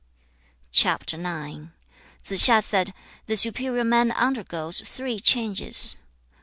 CHAP. IX. Tsze hsia said, 'The superior man undergoes three changes.